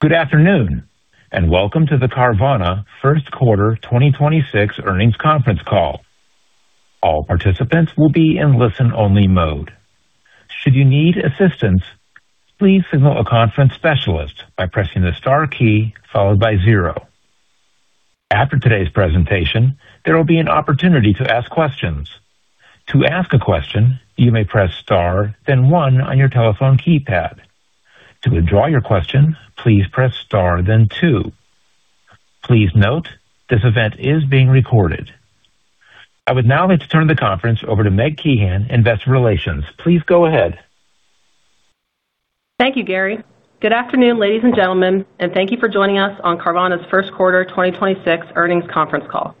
Good afternoon. Welcome to the Carvana first quarter 2026 earnings conference call. Our participants will be in listen only mode, should you need assistance please contact a conference specialist by pressing the star key followed by zero, I would now like to turn the conference over to Meg Kehan, Investor Relations. Please go ahead. Thank you, Gary. Good afternoon, ladies and gentlemen, and thank you for joining us on Carvana's first quarter 2026 earnings conference call.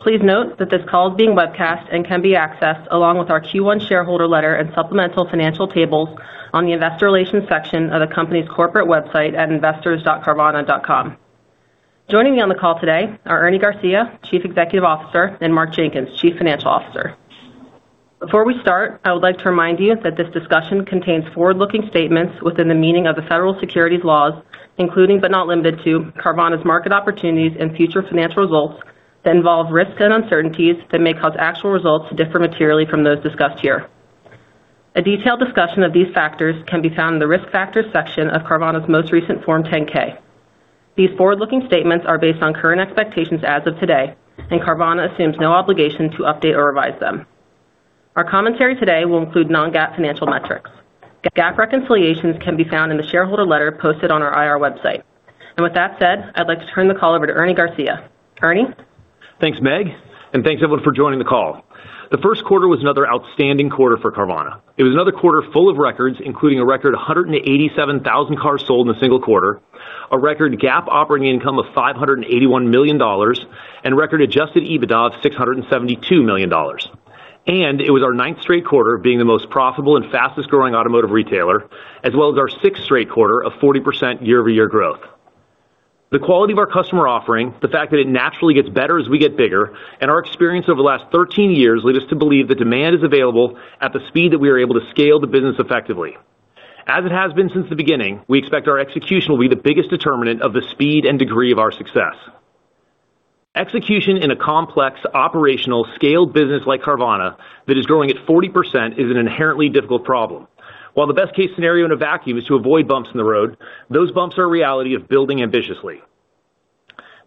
Please note that this call is being webcast and can be accessed along with our Q1 shareholder letter and supplemental financial tables on the investor relations section of the company's corporate website at investors.carvana.com. Joining me on the call today are Ernie Garcia, Chief Executive Officer, and Mark Jenkins, Chief Financial Officer. Before we start, I would like to remind you that this discussion contains forward-looking statements within the meaning of the federal securities laws, including, but not limited to, Carvana's market opportunities and future financial results that involve risks and uncertainties that may cause actual results to differ materially from those discussed here. A detailed discussion of these factors can be found in the Risk Factors section of Carvana's most recent Form 10-K. These forward-looking statements are based on current expectations as of today, and Carvana assumes no obligation to update or revise them. Our commentary today will include non-GAAP financial metrics. GAAP reconciliations can be found in the shareholder letter posted on our IR website. With that said, I'd like to turn the call over to Ernie Garcia. Ernie. Thanks, Meg, thanks, everyone, for joining the call. The first quarter was another outstanding quarter for Carvana. It was another quarter full of records, including a record 187,000 cars sold in a single quarter, a record GAAP operating income of $581 million, and a record adjusted EBITDA of $672 million. It was our ninth straight quarter of being the most profitable and fastest-growing automotive retailer, as well as our sixth straight quarter of 40% year-over-year growth. The quality of our customer offering, the fact that it naturally gets better as we get bigger, and our experience over the last 13 years lead us to believe the demand is available at the speed that we are able to scale the business effectively. As it has been since the beginning, we expect our execution will be the biggest determinant of the speed and degree of our success. Execution in a complex operational scaled business like Carvana that is growing at 40% is an inherently difficult problem. While the best-case scenario in a vacuum is to avoid bumps in the road, those bumps are a reality of building ambitiously.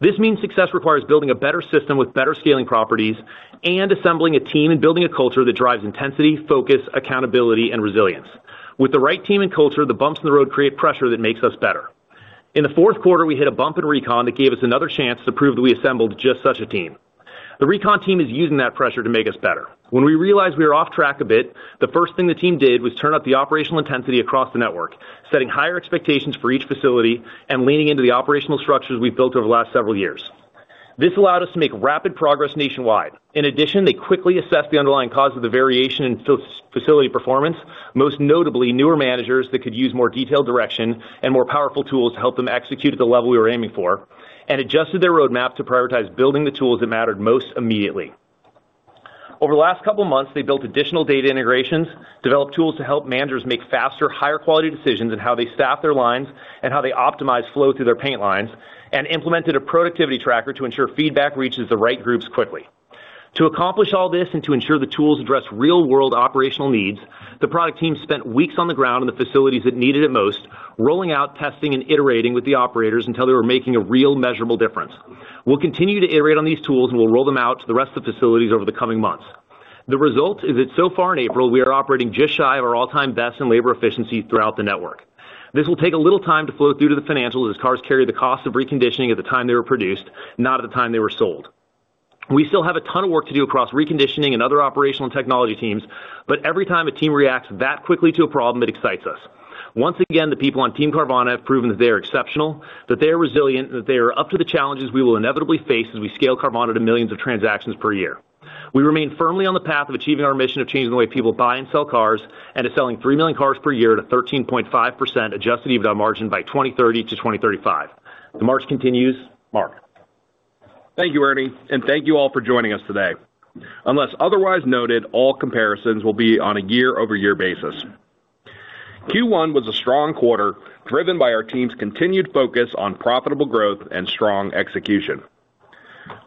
This means success requires building a better system with better scaling properties and assembling a team and building a culture that drives intensity, focus, accountability, and resilience. With the right team and culture, the bumps in the road create pressure that makes us better. In the fourth quarter, we hit a bump in recon that gave us another chance to prove that we assembled just such a team. The recon team is using that pressure to make us better. When we realized we were off track a bit, the first thing the team did was turn up the operational intensity across the network, setting higher expectations for each facility and leaning into the operational structures we've built over the last several years. This allowed us to make rapid progress nationwide. In addition, they quickly assessed the underlying cause of the variation in facility performance, most notably newer managers that could use more detailed direction and more powerful tools to help them execute at the level we were aiming for and adjusted their roadmap to prioritize building the tools that mattered most immediately. Over the last couple of months, they built additional data integrations, developed tools to help managers make faster, higher quality decisions in how they staff their lines and how they optimize flow through their paint lines, and implemented a productivity tracker to ensure feedback reaches the right groups quickly. To accomplish all this and to ensure the tools address real-world operational needs, the product team spent weeks on the ground in the facilities that needed it most, rolling out testing and iterating with the operators until they were making a real measurable difference. We will continue to iterate on these tools, and we will roll them out to the rest of the facilities over the coming months. The result is that so far in April, we are operating just shy of our all-time best in labor efficiency throughout the network. This will take a little time to flow through to the financials as cars carry the cost of reconditioning at the time they were produced, not at the time they were sold. We still have a ton of work to do across reconditioning and other operational technology teams, but every time a team reacts that quickly to a problem, it excites us. Once again, the people on Team Carvana have proven that they are exceptional, that they are resilient, and that they are up to the challenges we will inevitably face as we scale Carvana to millions of transactions per year. We remain firmly on the path of achieving our mission of changing the way people buy and sell cars and to selling 3 million cars per year at a 13.5% adjusted EBITDA margin by 2030-2035. The march continues. Mark. Thank you, Ernie, and thank you all for joining us today. Unless otherwise noted, all comparisons will be on a year-over-year basis. Q1 was a strong quarter driven by our team's continued focus on profitable growth and strong execution.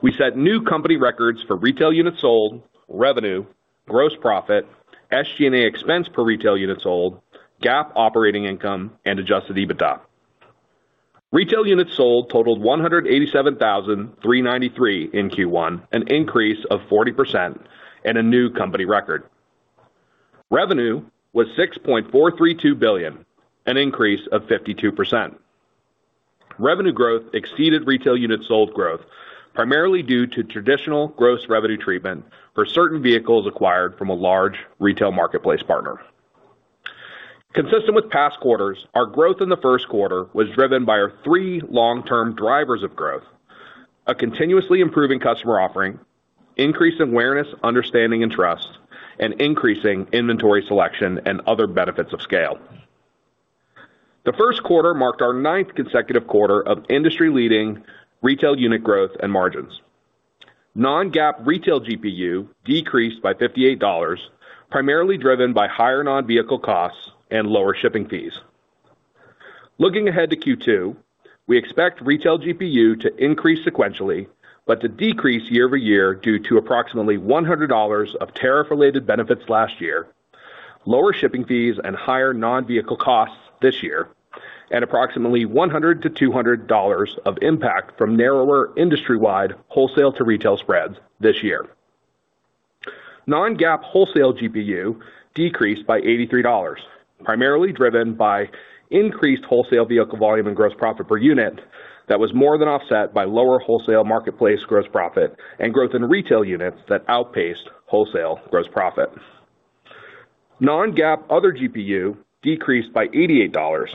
We set new company records for retail units sold, revenue, gross profit, SG&A expense per retail unit sold, GAAP operating income, and adjusted EBITDA. Retail units sold totaled 187,393 in Q1, an increase of 40% and a new company record. Revenue was $6.432 billion, an increase of 52%. Revenue growth exceeded retail units sold growth primarily due to traditional gross revenue treatment for certain vehicles acquired from a large retail marketplace partner. Consistent with past quarters, our growth in the first quarter was driven by our three long-term drivers of growth: a continuously improving customer offering, increased awareness, understanding, and trust, and increasing inventory selection and other benefits of scale. The first quarter marked our ninth consecutive quarter of industry-leading retail unit growth and margins. Non-GAAP retail GPU decreased by $58, primarily driven by higher non-vehicle costs and lower shipping fees. Looking ahead to Q2, we expect retail GPU to increase sequentially, but to decrease year-over-year due to approximately $100 of tariff-related benefits last year, lower shipping fees and higher non-vehicle costs this year, and approximately $100-$200 of impact from narrower industry-wide wholesale to retail spreads this year. Non-GAAP wholesale GPU decreased by $83, primarily driven by increased wholesale vehicle volume and gross profit per unit that was more than offset by lower wholesale marketplace gross profit and growth in retail units that outpaced wholesale gross profit. Non-GAAP other GPU decreased by $88,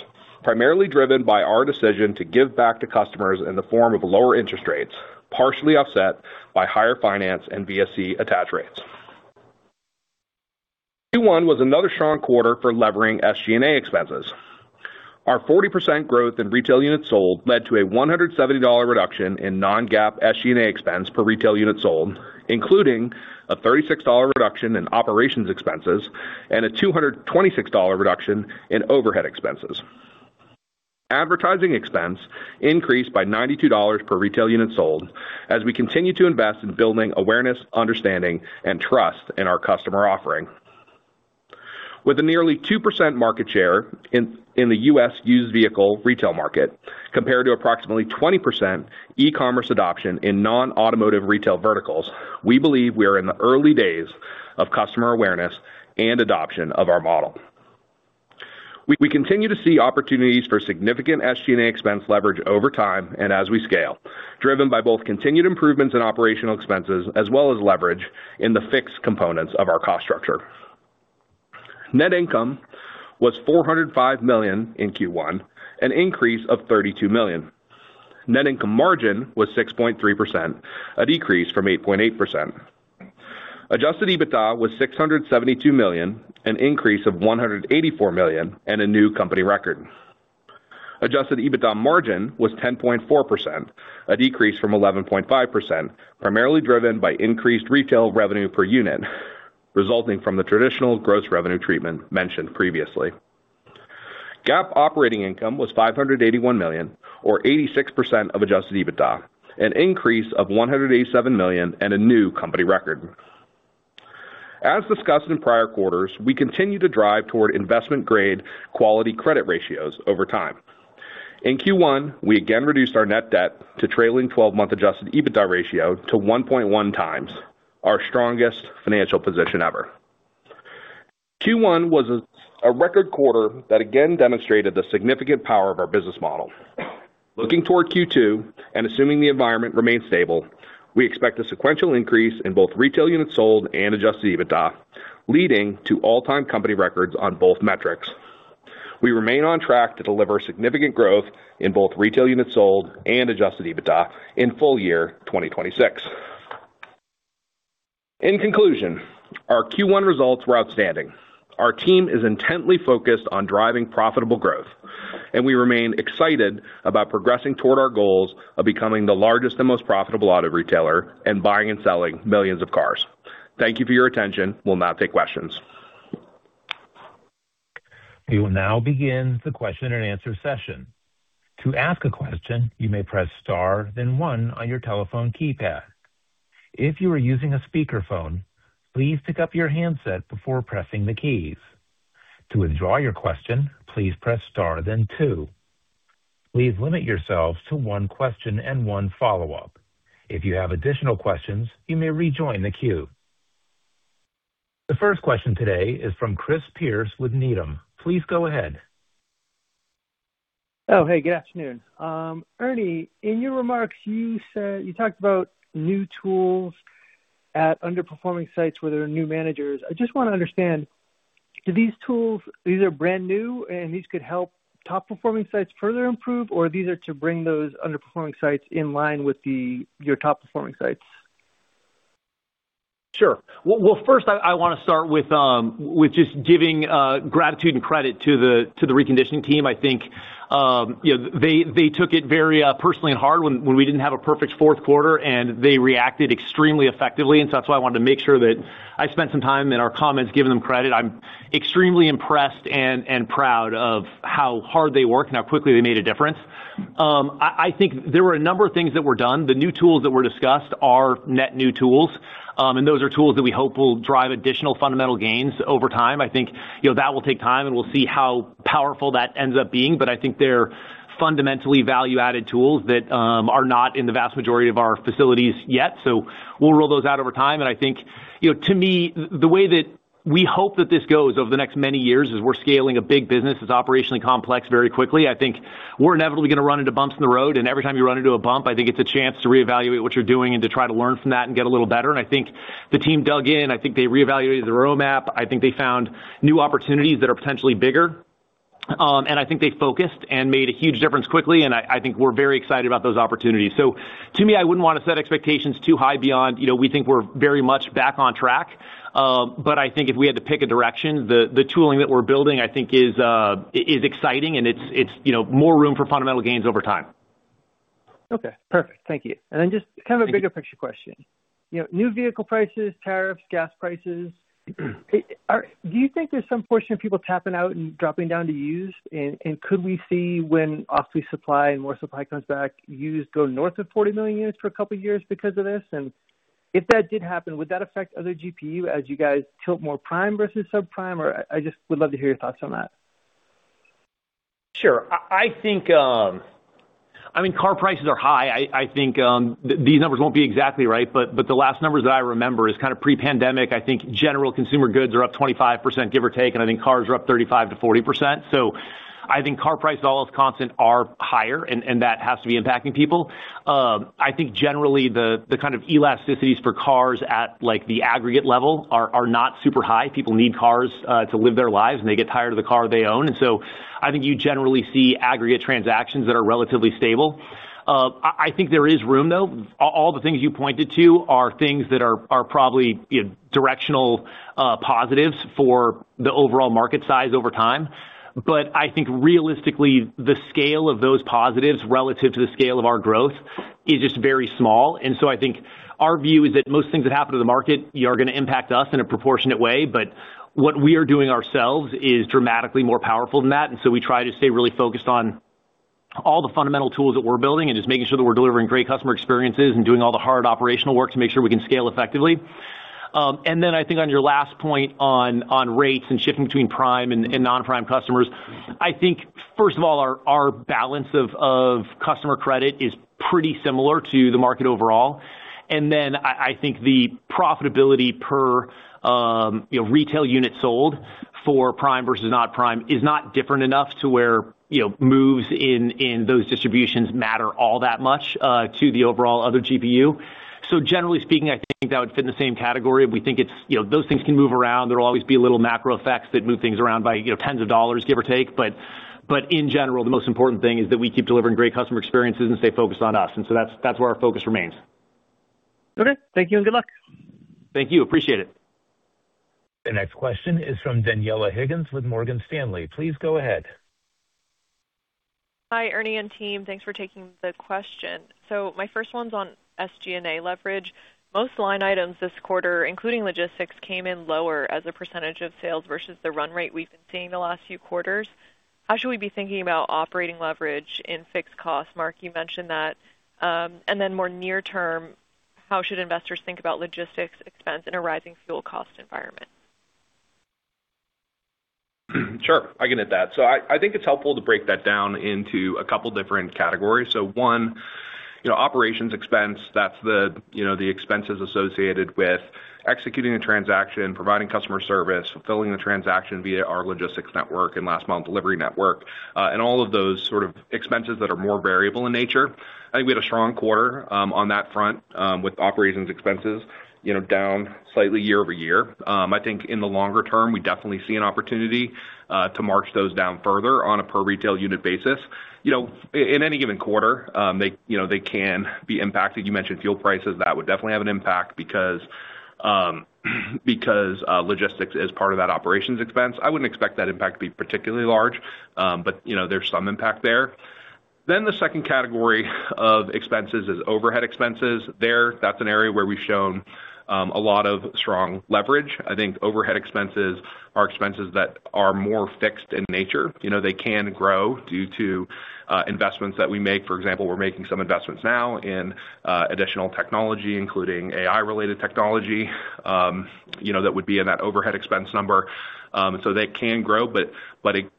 primarily driven by our decision to give back to customers in the form of lower interest rates, partially offset by higher finance and VSC attach rates. Q1 was another strong quarter for levering SG&A expenses. Our 40% growth in retail units sold led to a $170 reduction in non-GAAP SG&A expense per retail unit sold, including a $36 reduction in operations expenses and a $226 reduction in overhead expenses. Advertising expense increased by $92 per retail unit sold as we continue to invest in building awareness, understanding and trust in our customer offering. With a nearly 2% market share in the U.S. used vehicle retail market, compared to approximately 20% e-commerce adoption in non-automotive retail verticals, we believe we are in the early days of customer awareness and adoption of our model. We continue to see opportunities for significant SG&A expense leverage over time and as we scale, driven by both continued improvements in operational expenses as well as leverage in the fixed components of our cost structure. Net income was $405 million in Q1, an increase of $32 million. Net income margin was 6.3%, a decrease from 8.8%. Adjusted EBITDA was $672 million, an increase of $184 million and a new company record. Adjusted EBITDA margin was 10.4%, a decrease from 11.5%, primarily driven by increased retail revenue per unit resulting from the traditional gross revenue treatment mentioned previously. GAAP operating income was $581 million, or 86% of adjusted EBITDA, an increase of $187 million and a new company record. As discussed in prior quarters, we continue to drive toward investment grade quality credit ratios over time. In Q1, we again reduced our net debt to trailing twelve-month adjusted EBITDA ratio to 1.1x, our strongest financial position ever. Q1 was a record quarter that again demonstrated the significant power of our business model. Looking toward Q2 and assuming the environment remains stable, we expect a sequential increase in both retail units sold and adjusted EBITDA, leading to all-time company records on both metrics. We remain on track to deliver significant growth in both retail units sold and adjusted EBITDA in full year 2026. In conclusion, our Q1 results were outstanding. Our team is intently focused on driving profitable growth, and we remain excited about progressing toward our goals of becoming the largest and most profitable auto retailer and buying and selling millions of cars. Thank you for your attention. We'll now take questions. We will now begin the question and answer session. To ask a question, you may press star then one on your telephone keypad. If you are using a speakerphone, please pick up your handset before pressing the keys. To withdraw your question, please press star then two. Please limit yourselves to one question and one follow-up. If you have additional questions, you may rejoin the queue. The first question today is from Chris Pierce with Needham. Please go ahead. Oh, hey, good afternoon. Ernie, in your remarks, you said, you talked about new tools at underperforming sites where there are new managers. I just want to understand, do these tools, these are brand new and these could help top performing sites further improve or these are to bring those underperforming sites in line with your top performing sites? Sure. Well, first I want to start with just giving gratitude and credit to the reconditioning team. I think, you know, they took it very personally and hard when we didn't have a perfect fourth quarter and they reacted extremely effectively. That's why I wanted to make sure that I spent some time in our comments giving them credit. I'm extremely impressed and proud of how hard they work and how quickly they made a difference. I think there were a number of things that were done. The new tools that were discussed are net new tools, and those are tools that we hope will drive additional fundamental gains over time. I think, you know, that will take time and we'll see how powerful that ends up being. I think they're fundamentally value-added tools that are not in the vast majority of our facilities yet. We'll roll those out over time. I think, you know, to me, the way that we hope that this goes over the next many years is we're scaling a big business that's operationally complex very quickly. I think we're inevitably going to run into bumps in the road, and every time you run into a bump, I think it's a chance to reevaluate what you're doing and to try to learn from that and get a little better. I think the team dug in. I think they reevaluated the roadmap. I think they found new opportunities that are potentially bigger. I think they focused and made a huge difference quickly. I think we're very excited about those opportunities. To me, I wouldn't want to set expectations too high beyond, you know, we think we're very much back on track. But I think if we had to pick a direction, the tooling that we're building, I think is exciting and it's, you know, more room for fundamental gains over time. Okay, perfect. Thank you. Then just kind of a bigger picture question? You know, new vehicle prices, tariffs, gas prices, do you think there's some portion of people tapping out and dropping down to used? Could we see when off-lease supply and more supply comes back, used go north of 40 million units for a couple years because of this? If that did happen, would that affect other GPU as you guys tilt more prime versus subprime? I just would love to hear your thoughts on that. Sure. I think, I mean, car prices are high. I think, these numbers won't be exactly right, but the last numbers that I remember is kinda pre-pandemic, I think general consumer goods are up 25%, give or take, and I think cars are up 35%-40%. I think car prices, all else constant, are higher, and that has to be impacting people. I think generally the kind of elasticities for cars at like the aggregate level are not super high. People need cars to live their lives when they get tired of the car they own. I think you generally see aggregate transactions that are relatively stable. I think there is room, though. All the things you pointed to are things that are probably, you know, directional positives for the overall market size over time. I think realistically, the scale of those positives relative to the scale of our growth is just very small. I think our view is that most things that happen to the market are gonna impact us in a proportionate way. What we are doing ourselves is dramatically more powerful than that, we try to stay really focused on all the fundamental tools that we're building and just making sure that we're delivering great customer experiences and doing all the hard operational work to make sure we can scale effectively. I think on your last point on rates and shifting between prime and non-prime customers, I think first of all, our balance of customer credit is pretty similar to the market overall. I think the profitability per, you know, retail unit sold for prime versus not prime is not different enough to where, you know, moves in those distributions matter all that much to the overall other GPU. Generally speaking, I think that would fit in the same category. You know, those things can move around. There'll always be little macro effects that move things around by, you know, tens of dollars, give or take. In general, the most important thing is that we keep delivering great customer experiences and stay focused on us. That's, that's where our focus remains. Okay. Thank you, and good luck. Thank you. Appreciate it. The next question is from Daniela Haigian with Morgan Stanley. Please go ahead. Hi, Ernie and team. Thanks for taking the question. My first one's on SG&A leverage. Most line items this quarter, including logistics, came in lower as a percentage of sales versus the run rate we've been seeing the last few quarters. How should we be thinking about operating leverage in fixed costs? Mark, you mentioned that. More near term, how should investors think about logistics expense in a rising fuel cost environment? Sure, I can hit that. I think it's helpful to break that down into a couple different categories. 1, you know, operations expense, that's the, you know, the expenses associated with executing a transaction, providing customer service, fulfilling the transaction via our logistics network and last mile delivery network, and all of those sort of expenses that are more variable in nature. I think we had a strong quarter on that front with operations expenses, you know, down slightly year-over-year. I think in the longer term, we definitely see an opportunity to march those down further on a per retail unit basis. You know, in any given quarter, they, you know, they can be impacted. You mentioned fuel prices. That would definitely have an impact because logistics is part of that operations expense. I wouldn't expect that impact to be particularly large, you know, there's some impact there. The second category of expenses is overhead expenses. That's an area where we've shown a lot of strong leverage. I think overhead expenses are expenses that are more fixed in nature. You know, they can grow due to investments that we make. For example, we're making some investments now in additional technology, including AI-related technology, you know, that would be in that overhead expense number. They can grow,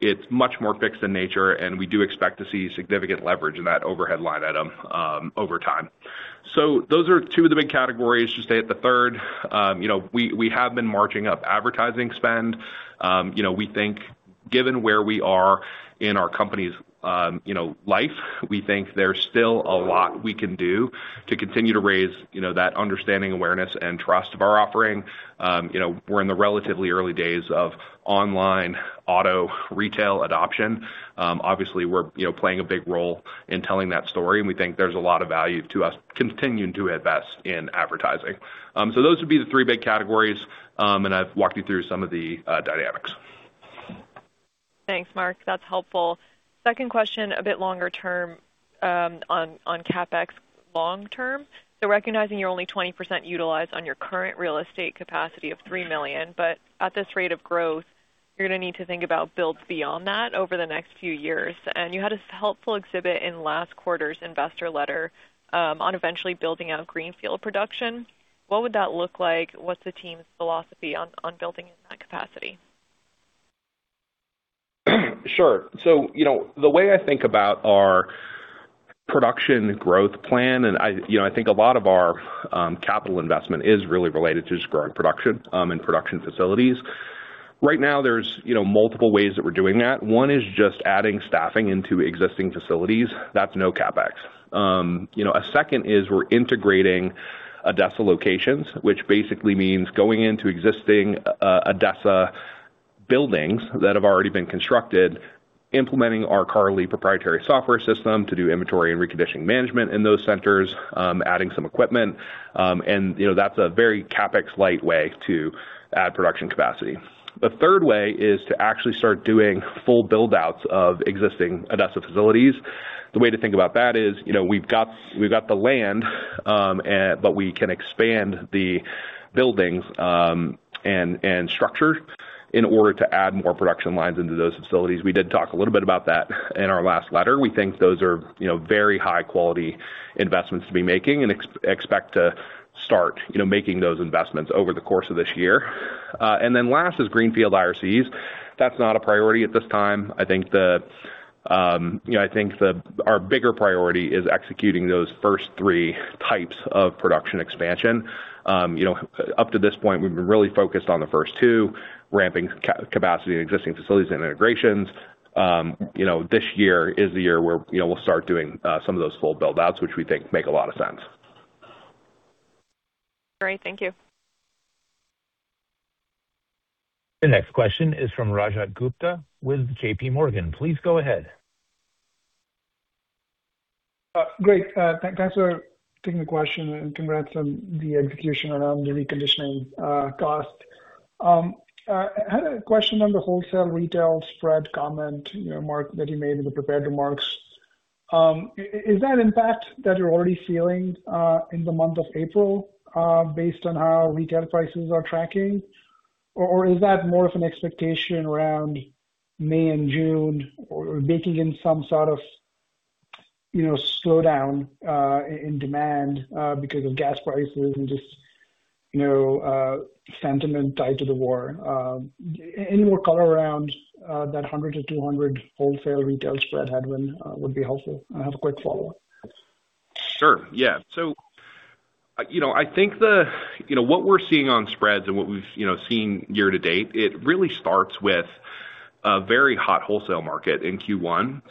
it's much more fixed in nature, and we do expect to see significant leverage in that overhead line item over time. Those are two of the big categories. Just to add the third, you know, we have been marching up advertising spend. You know, we think given where we are in our company's, you know, life, we think there's still a lot we can do to continue to raise, you know, that understanding, awareness, and trust of our offering. You know, we're in the relatively early days of online auto retail adoption. Obviously, we're, you know, playing a big role in telling that story, and we think there's a lot of value to us continuing to invest in advertising. Those would be the three big categories, and I've walked you through some of the dynamics. Thanks, Mark. That's helpful. Second question, a bit longer term, on CapEx long term. Recognizing you're only 20% utilized on your current real estate capacity of 3 million, but at this rate of growth, you're gonna need to think about builds beyond that over the next few years. You had a helpful exhibit in last quarter's investor letter, on eventually building out greenfield production. What would that look like? What's the team's philosophy on building in that capacity? Sure. You know, the way I think about our production growth plan, and I, you know, I think a lot of our capital investment is really related to just growing production and production facilities. Right now there's, you know, multiple ways that we're doing that. One is just adding staffing into existing facilities. That's no CapEx. You know, a second is we're integrating ADESA locations, which basically means going into existing ADESA buildings that have already been constructed, implementing our CARLI proprietary software system to do inventory and reconditioning management in those centers, adding some equipment. You know, that's a very CapEx light way to add production capacity. The third way is to actually start doing full build-outs of existing ADESA facilities. The way to think about that is, you know, we've got, we've got the land, but we can expand the buildings and structure in order to add more production lines into those facilities. We did talk a little bit about that in our last letter. We think those are, you know, very high quality investments to be making and expect to start, you know, making those investments over the course of this year. Last is greenfield IRCs. That's not a priority at this time. I think the, you know, our bigger priority is executing those first three types of production expansion. You know, up to this point, we've been really focused on the first two, ramping capacity in existing facilities and integrations. You know, this year is the year where, you know, we'll start doing some of those full build-outs, which we think make a lot of sense. Great. Thank you. The next question is from Rajat Gupta with JPMorgan. Please go ahead. Great. Thanks for taking the question, and congrats on the execution around the reconditioning cost. I had a question on the wholesale retail spread comment, you know, Mark, that you made in the prepared remarks. Is that impact that you're already feeling in the month of April, based on how retail prices are tracking? Or is that more of an expectation around May and June or baking in some sort of, you know, slowdown in demand because of gas prices and just, you know, sentiment tied to the war? Any more color around that $100-$200 wholesale retail spread headwind would be helpful. I have a quick follow-up. Sure, yeah. You know, what we're seeing on spreads and what we've, you know, seen year to date, it really starts with a very hot wholesale market in Q1.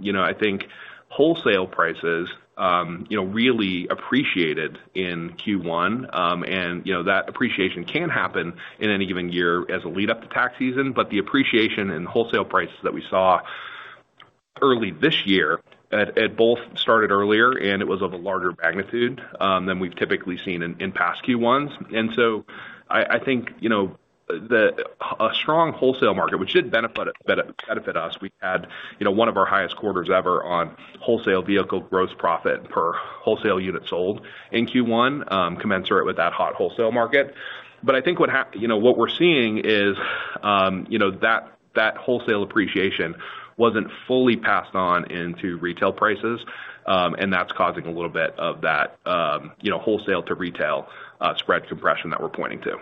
You know, I think wholesale prices, you know, really appreciated in Q1. You know, that appreciation can happen in any given year as a lead up to tax season. The appreciation in wholesale prices that we saw early this year, it both started earlier and it was of a larger magnitude than we've typically seen in past Q1s. I think, you know, a strong wholesale market, which should benefit us. We had, you know, one of our highest quarters ever on wholesale vehicle gross profit per wholesale unit sold in Q1, commensurate with that hot wholesale market. I think you know, what we're seeing is, you know, that wholesale appreciation wasn't fully passed on into retail prices, and that's causing a little bit of that, you know, wholesale to retail, spread compression that we're pointing to.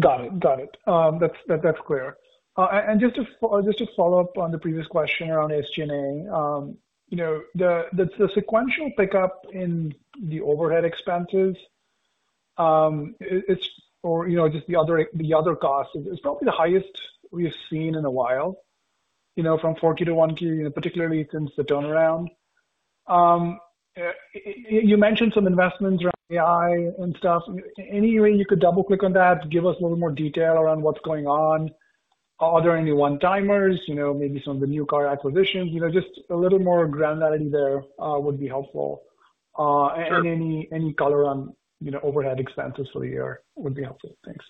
Got it. Got it. That's, that's clear. Just to follow up on the previous question around SG&A, you know, the, the sequential pickup in the overhead expenses, it's. Or, you know, just the other costs is probably the highest we've seen in a while, you know, from 4Q to 1Q, you know, particularly since the turnaround. You mentioned some investments around AI and stuff. Any way you could double click on that, give us a little more detail around what's going on. Are there any one-timers, you know, maybe some of the new car acquisitions? You know, just a little more granularity there would be helpful. Sure. Any color on, you know, overhead expenses for the year would be helpful. Thanks.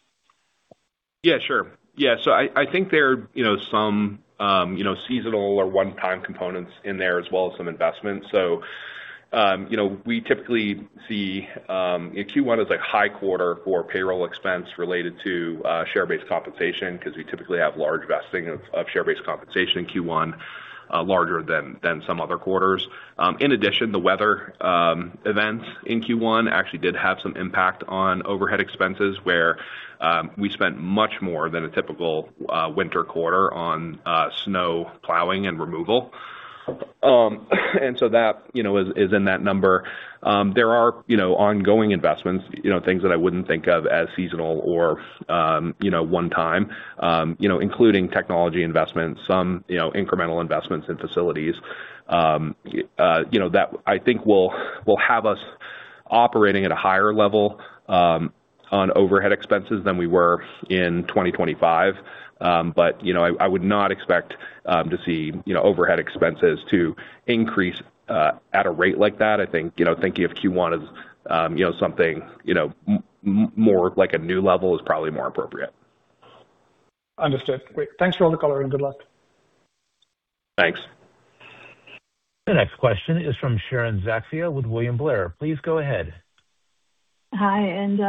Yeah, sure. Yeah. I think there are, you know, some, you know, seasonal or one-time components in there as well as some investments. You know, we typically see, you know, Q1 is a high quarter for payroll expense related to share-based compensation because we typically have large vesting of share-based compensation in Q1, larger than some other quarters. In addition, the weather events in Q1 actually did have some impact on overhead expenses, where we spent much more than a typical winter quarter on snow plowing and removal. That, you know, is in that number. There are, you know, ongoing investments, you know, things that I wouldn't think of as seasonal or, you know, one time, you know, including technology investments, some, you know, incremental investments in facilities. You know, that I think will have us operating at a higher level on overhead expenses than we were in 2025. But, you know, I would not expect to see, you know, overhead expenses to increase at a rate like that. I think, you know, thinking of Q1 as, you know, more like a new level is probably more appropriate. Understood. Great. Thanks for all the color and good luck. Thanks. The next question is from Sharon Zackfia with William Blair. Please go ahead. Hi, and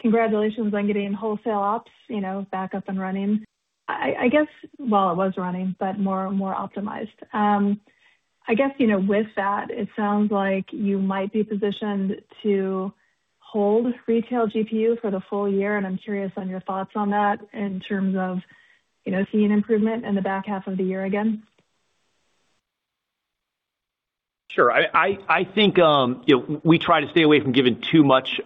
congratulations on getting wholesale ops, you know, back up and running. I guess. Well, it was running, but more optimized. I guess, you know, with that, it sounds like you might be positioned to hold retail GPU for the full year, and I'm curious on your thoughts on that in terms of, you know, seeing improvement in the back half of the year again. Sure. I think, you know, we try to stay away from giving too much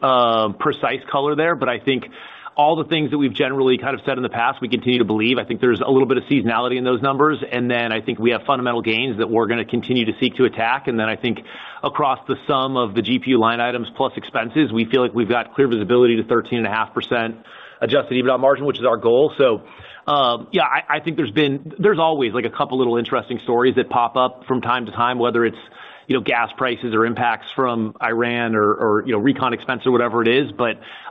precise color there. I think all the things that we've generally kind of said in the past, we continue to believe. I think there's a little bit of seasonality in those numbers. I think we have fundamental gains that we're gonna continue to seek to attack. I think across the sum of the GPU line items plus expenses, we feel like we've got clear visibility to 13.5% adjusted EBITDA margin, which is our goal. Yeah, I think there's been. There's always, like, a couple little interesting stories that pop up from time to time. You know, gas prices or impacts from Iran or, you know, recon expense or whatever it is.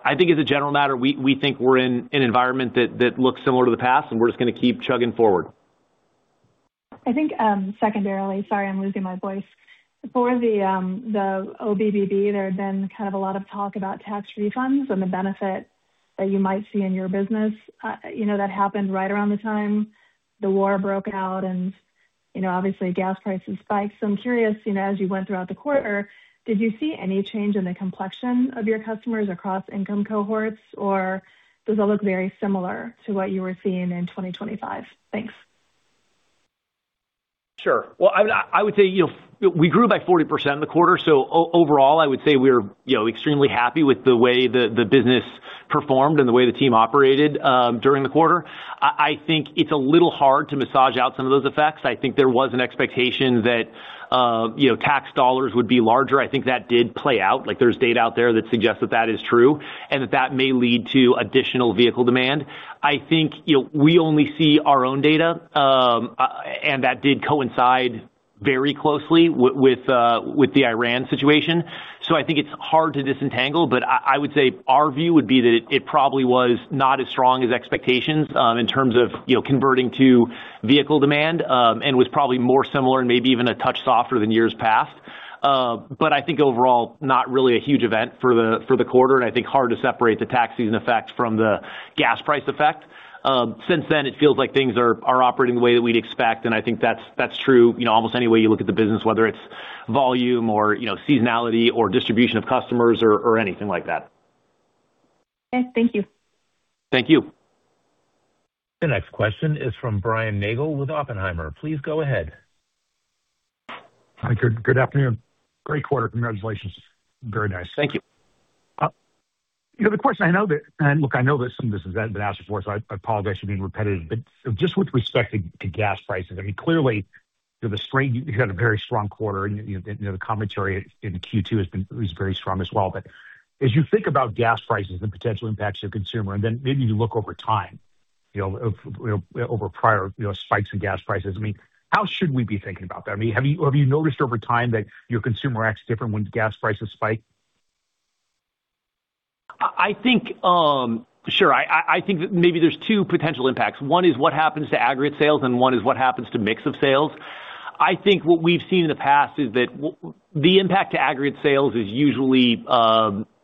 I think as a general matter, we think we're in an environment that looks similar to the past, and we're just gonna keep chugging forward. I think, secondarily. Sorry, I'm losing my voice. For the OBBB, there had been kind of a lot of talk about tax refunds and the benefit that you might see in your business. You know, that happened right around the time the war broke out and, you know, obviously gas prices spiked. I'm curious, you know, as you went throughout the quarter, did you see any change in the complexion of your customers across income cohorts, or does it look very similar to what you were seeing in 2025? Thanks. Sure. Well, I would say, you know, we grew by 40% in the quarter. Overall, I would say we're, you know, extremely happy with the way the business performed and the way the team operated during the quarter. I think it's a little hard to massage out some of those effects. I think there was an expectation that, you know, tax dollars would be larger. I think that did play out. Like, there's data out there that suggests that that is true and that that may lead to additional vehicle demand. I think, you know, we only see our own data, and that did coincide very closely with the Iran situation. I think it's hard to disentangle, but I would say our view would be that it probably was not as strong as expectations, in terms of, you know, converting to vehicle demand, and was probably more similar and maybe even a touch softer than years past. I think overall, not really a huge event for the quarter, and I think hard to separate the tax season effect from the gas price effect. Since then, it feels like things are operating the way that we'd expect, and I think that's true, you know, almost any way you look at the business, whether it's volume or, you know, seasonality or distribution of customers or anything like that. Okay. Thank you. Thank you. The next question is from Brian Nagel with Oppenheimer. Please go ahead. Hi, good afternoon. Great quarter. Congratulations. Very nice. Thank you. You know, the question I know that some of this has been asked before, so I apologize for being repetitive. Just with respect to gas prices, I mean, clearly, you know, the strain, you had a very strong quarter and, you know, the commentary in Q2 was very strong as well. As you think about gas prices and potential impacts to the consumer, and then maybe you look over time, over prior spikes in gas prices, I mean, how should we be thinking about that? I mean, have you noticed over time that your consumer acts different when gas prices spike? I think, sure. I think that maybe there's 2 potential impacts. 1 is what happens to aggregate sales, and 1 is what happens to mix of sales. I think what we've seen in the past is that the impact to aggregate sales is usually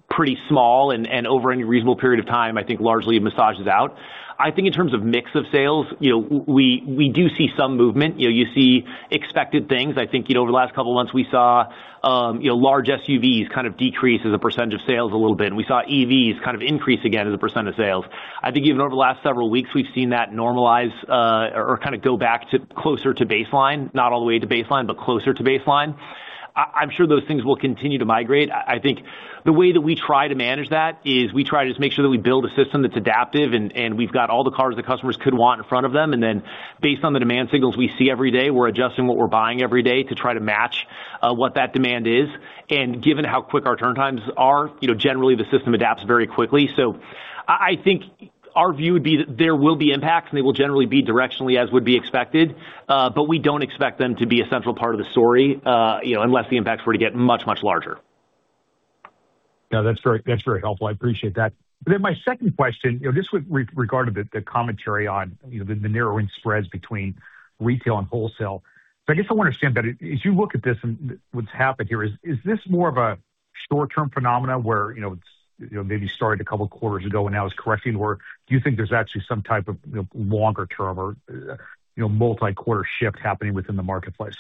pretty small and over any reasonable period of time, I think largely it massages out. I think in terms of mix of sales, you know, we do see some movement. You know, you see expected things. I think, you know, over the last couple of months we saw, you know, large SUVs kind of decrease as a % of sales a little bit, and we saw EVs kind of increase again as a % of sales. I think even over the last several weeks, we've seen that normalize or kinda go back to closer to baseline. Not all the way to baseline, but closer to baseline. I'm sure those things will continue to migrate. I think the way that we try to manage that is we try to just make sure that we build a system that's adaptive and we've got all the cars the customers could want in front of them. Based on the demand signals we see every day, we're adjusting what we're buying every day to try to match what that demand is. Given how quick our turn times are, you know, generally the system adapts very quickly. I think our view would be that there will be impacts, and they will generally be directionally as would be expected. We don't expect them to be a central part of the story, you know, unless the impacts were to get much, much larger. No, that's very, that's very helpful. I appreciate that. My second question, you know, this would regard to the commentary on, you know, the narrowing spreads between retail and wholesale. I guess I wanna understand better, as you look at this and what's happened here, is this more of a short-term phenomena where, you know, it's, you know, maybe started a couple of quarters ago and now is correcting? Or do you think there's actually some type of, you know, longer term or, you know, multi-quarter shift happening within the marketplace?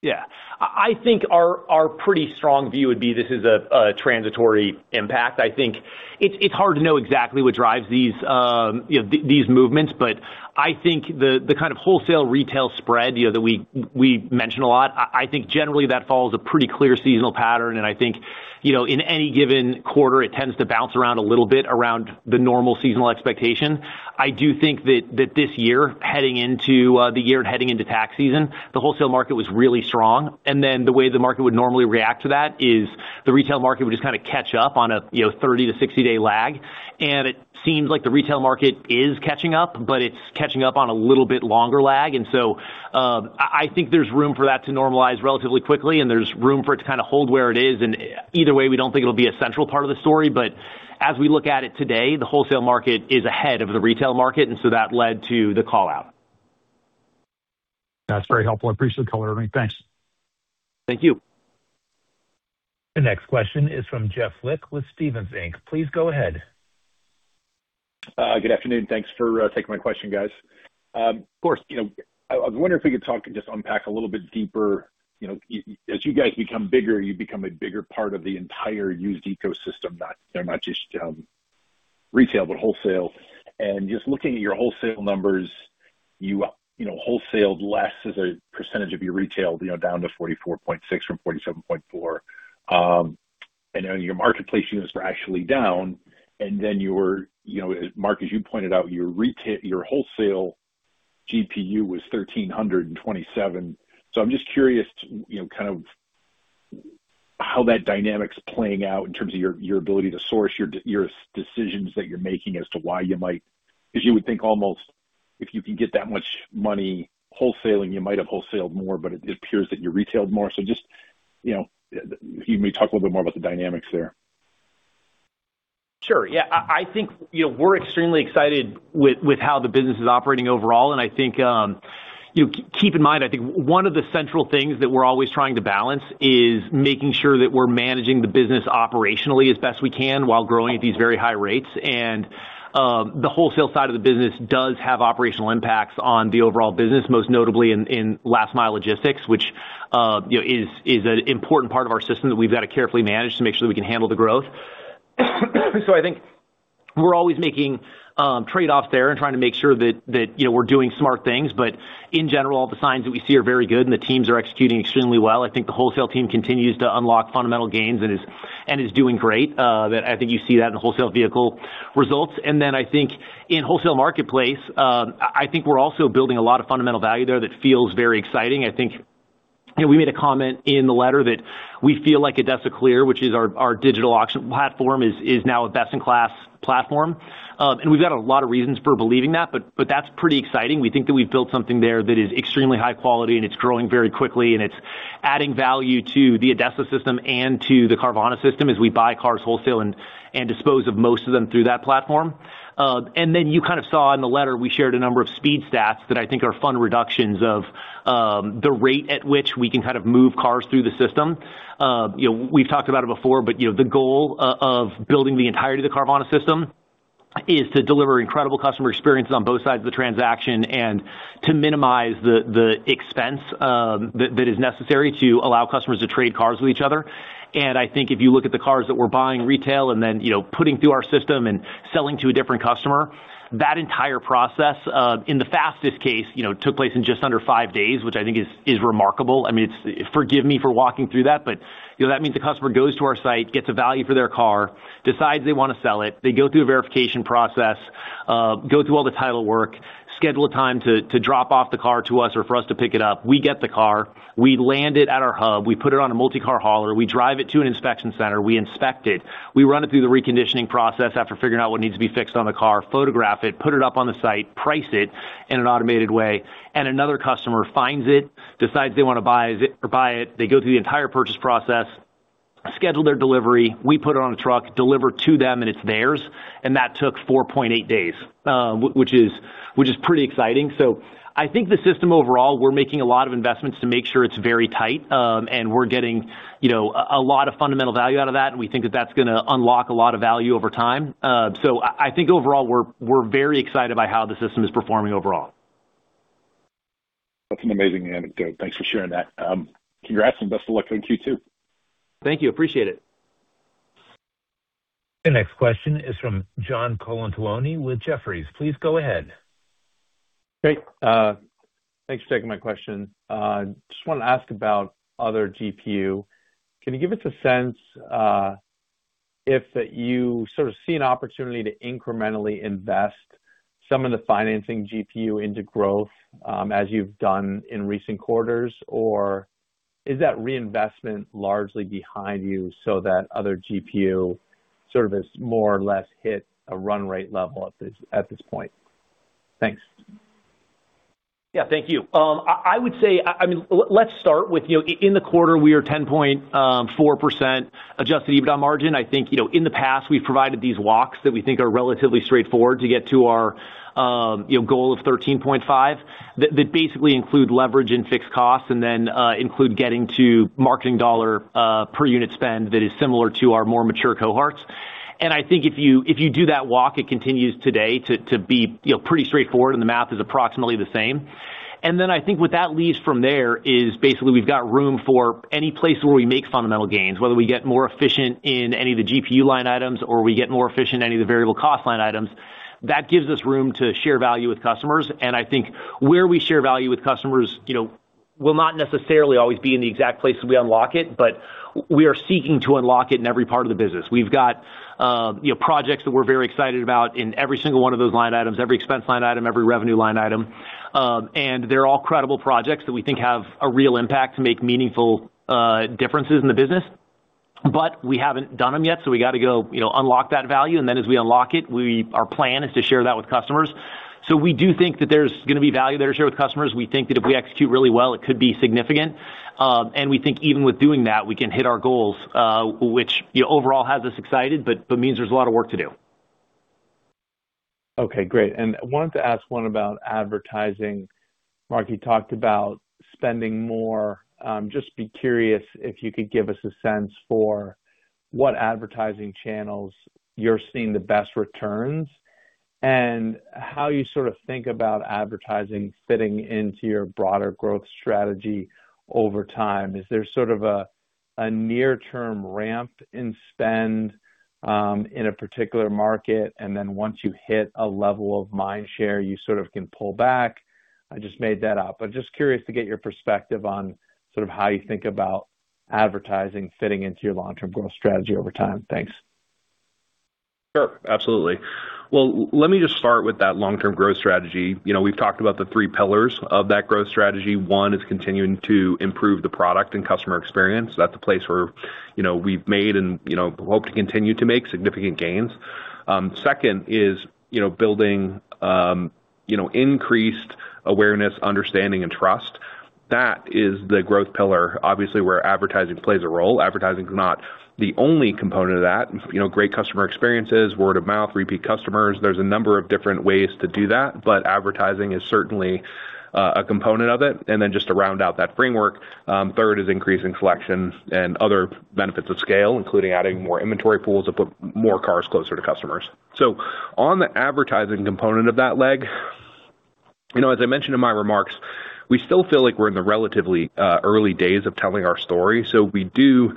Yeah. I think our pretty strong view would be this is a transitory impact. I think it's hard to know exactly what drives these, you know, these movements. I think the kind of wholesale retail spread, you know, that we mention a lot, I think generally that follows a pretty clear seasonal pattern. I think, you know, in any given quarter, it tends to bounce around a little bit around the normal seasonal expectation. I do think that this year, heading into the year and heading into tax season, the wholesale market was really strong. The way the market would normally react to that is the retail market would just kinda catch up on a, you know, 30 to 60 day lag. It seems like the retail market is catching up, but it's catching up on a little bit longer lag. I think there's room for that to normalize relatively quickly, and there's room for it to kinda hold where it is. Either way, we don't think it'll be a central part of the story, but as we look at it today, the wholesale market is ahead of the retail market, and so that led to the call-out. That's very helpful. I appreciate the color. Thanks. Thank you. The next question is from Jeff Lick with Stephens Inc. Please go ahead. Good afternoon. Thanks for taking my question, guys. Of course, you know, I was wondering if we could talk and just unpack a little bit deeper, you know, as you guys become bigger, you become a bigger part of the entire used ecosystem, not, you know, not just retail, but wholesale. Just looking at your wholesale numbers, you know, wholesaled less as a percentage of your retail, you know, down to 44.6 from 47.4. Then your marketplace units were actually down. Then you were, you know, Mark, as you pointed out, your wholesale GPU was $1,327. I'm just curious to, you know, how that dynamic's playing out in terms of your ability to source your decisions that you're making as to why you might? You would think almost if you can get that much money wholesaling, you might have wholesaled more, but it appears that you retailed more. Just, you know, if you may talk a little bit more about the dynamics there. Sure, yeah. I think, you know, we're extremely excited with how the business is operating overall. I think, you know, keep in mind, I think one of the central things that we're always trying to balance is making sure that we're managing the business operationally as best we can while growing at these very high rates. The wholesale side of the business does have operational impacts on the overall business, most notably in last mile logistics, which, you know, is an important part of our system that we've got to carefully manage to make sure that we can handle the growth. I think we're always making trade-offs there and trying to make sure that, you know, we're doing smart things. In general, the signs that we see are very good, and the teams are executing extremely well. I think the wholesale team continues to unlock fundamental gains and is doing great. I think you see that in the wholesale vehicle results. I think in wholesale marketplace, I think we're also building a lot of fundamental value there that feels very exciting. I think, you know, we made a comment in the letter that we feel like ADESA CLEAR, which is our digital auction platform, is now a best-in-class platform. We've got a lot of reasons for believing that, but that's pretty exciting. We think that we've built something there that is extremely high quality, and it's growing very quickly, and it's adding value to the ADESA system and to the Carvana system as we buy cars wholesale and dispose of most of them through that platform. Then you kind of saw in the letter, we shared a number of speed stats that I think are fun reductions of the rate at which we can kind of move cars through the system. You know, we've talked about it before, but, you know, the goal of building the entirety of the Carvana system is to deliver incredible customer experiences on both sides of the transaction and to minimize the expense that is necessary to allow customers to trade cars with each other. I think if you look at the cars that we're buying retail and then, you know, putting through our system and selling to a different customer, that entire process, in the fastest case, you know, took place in just under five days, which I think is remarkable. I mean, it's. Forgive me for walking through that, you know, that means the customer goes to our site, gets a value for their car, decides they wanna sell it. They go through a verification process, go through all the title work, schedule a time to drop off the car to us or for us to pick it up. We get the car, we land it at our hub, we put it on a multi-car hauler, we drive it to an inspection center, we inspect it. We run it through the reconditioning process after figuring out what needs to be fixed on the car, photograph it, put it up on the site, price it in an automated way, another customer finds it, decides they wanna buy it. They go through the entire purchase process, schedule their delivery. We put it on a truck, deliver to them, and it's theirs. That took 4.8 days, which is pretty exciting. I think the system overall, we're making a lot of investments to make sure it's very tight. We're getting, you know, a lot of fundamental value out of that, and we think that that's gonna unlock a lot of value over time. I think overall, we're very excited by how the system is performing overall. That's an amazing anecdote. Thanks for sharing that. Congrats and best of luck on Q2. Thank you. Appreciate it. The next question is from John Colantuoni with Jefferies. Please go ahead. Great. Thanks for taking my question. Just wanna ask about other GPU. Can you give us a sense if you sort of see an opportunity to incrementally invest some of the financing GPU into growth, as you've done in recent quarters, or is that reinvestment largely behind you so that other GPU sort of has more or less hit a run rate level at this, at this point? Thanks. Yeah, thank you. I would say, I mean, let's start with, you know, in the quarter, we are 10.4% adjusted EBITDA margin. I think, you know, in the past we've provided these walks that we think are relatively straightforward to get to our, you know, goal of 13.5, that basically include leverage and fixed costs and then, include getting to marketing dollar per unit spend that is similar to our more mature cohorts. I think if you, if you do that walk, it continues today to be, you know, pretty straightforward, and the math is approximately the same. I think what that leaves from there is basically we've got room for any place where we make fundamental gains, whether we get more efficient in any of the GPU line items or we get more efficient in any of the variable cost line items. That gives us room to share value with customers. I think where we share value with customers, you know, will not necessarily always be in the exact places we unlock it, but we are seeking to unlock it in every part of the business. We've got, you know, projects that we're very excited about in every single one of those line items, every expense line item, every revenue line item. They're all credible projects that we think have a real impact to make meaningful differences in the business, but we haven't done them yet, so we gotta go, you know, unlock that value. As we unlock it, our plan is to share that with customers. We do think that there's gonna be value there to share with customers. We think that if we execute really well, it could be significant. We think even with doing that, we can hit our goals, which, you know, overall has us excited but means there's a lot of work to do. Okay, great. I wanted to ask one about advertising. Mark, you talked about spending more. Just be curious if you could give us a sense for what advertising channels you're seeing the best returns and how you sort of think about advertising fitting into your broader growth strategy over time. Is there sort of a near term ramp in spend in a particular market, and then once you hit a level of mind share, you sort of can pull back? I just made that up. I'm just curious to get your perspective on sort of how you think about advertising fitting into your long-term growth strategy over time. Thanks. Sure. Absolutely. Let me just start with that long-term growth strategy. You know, we've talked about the three pillars of that growth strategy. One is continuing to improve the product and customer experience. That's a place where, you know, we've made and, you know, hope to continue to make significant gains. Second is, you know, building, you know, increased awareness, understanding, and trust. That is the growth pillar, obviously, where advertising plays a role. Advertising is not the only component of that. You know, great customer experiences, word of mouth, repeat customers. There's a number of different ways to do that, advertising is certainly a component of it. Just to round out that framework, third is increasing collections and other benefits of scale, including adding more inventory pools to put more cars closer to customers. On the advertising component of that leg, you know, as I mentioned in my remarks, we still feel like we're in the relatively early days of telling our story. We do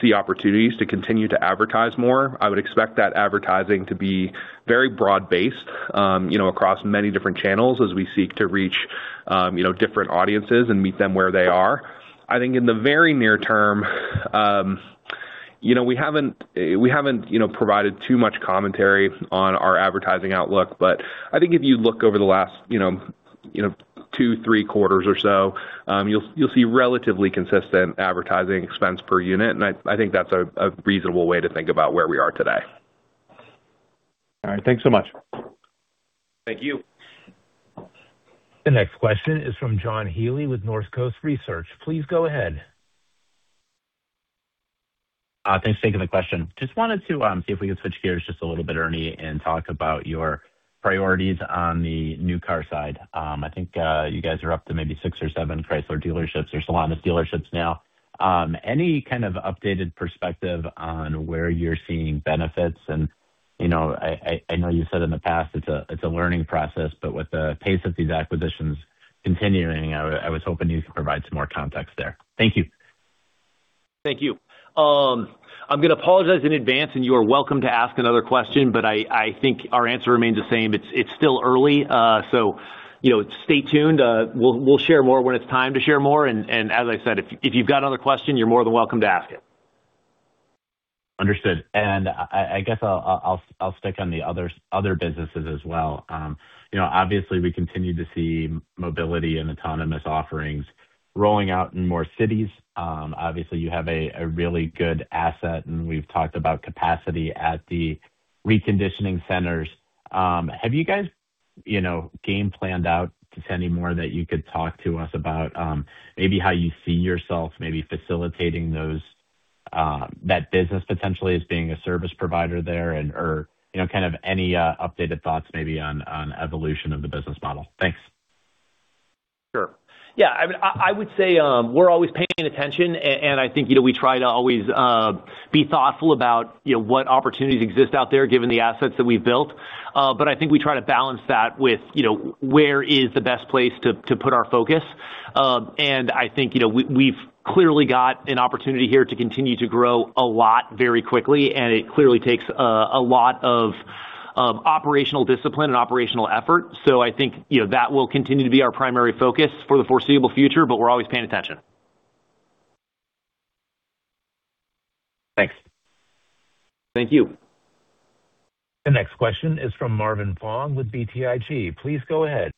see opportunities to continue to advertise more. I would expect that advertising to be very broad based, you know, across many different channels as we seek to reach, you know, different audiences and meet them where they are. I think in the very near term, you know, we haven't, you know, provided too much commentary on our advertising outlook. I think if you look over the last, you know, 2, 3 quarters or so, you'll see relatively consistent advertising expense per unit. I think that's a reasonable way to think about where we are today. All right. Thanks so much. Thank you. The next question is from John Healy with Northcoast Research. Please go ahead. Thanks for taking the question. Just wanted to see if we could switch gears just a little bit, Ernie, and talk about your priorities on the new car side. I think you guys are up to maybe six or seven Chrysler dealerships or Stellantis dealerships now. Any kind of updated perspective on where you're seeing benefits and, you know, I, I know you said in the past it's a, it's a learning process, but with the pace of these acquisitions continuing, I was hoping you could provide some more context there. Thank you. Thank you. I'm gonna apologize in advance, and you are welcome to ask another question, but I think our answer remains the same. It's still early. You know, stay tuned. We'll share more when it's time to share more. As I said, if you've got another question, you're more than welcome to ask it. Understood. I guess I'll stick on the other businesses as well. You know, obviously we continue to see mobility and autonomous offerings rolling out in more cities. Obviously you have a really good asset, and we've talked about capacity at the reconditioning centers. Have you guys, you know, game planned out to any more that you could talk to us about, maybe how you see yourself maybe facilitating those, that business potentially as being a service provider there or, you know, kind of any updated thoughts maybe on evolution of the business model? Thanks. Sure. Yeah, I mean, I would say, we're always paying attention and I think, you know, we try to always be thoughtful about, you know, what opportunities exist out there given the assets that we've built. I think we try to balance that with, you know, where is the best place to put our focus. I think, you know, we've clearly got an opportunity here to continue to grow a lot very quickly, and it clearly takes a lot of operational discipline and operational effort. I think, you know, that will continue to be our primary focus for the foreseeable future, but we're always paying attention. Thanks. Thank you. The next question is from Marvin Fong with BTIG. Please go ahead.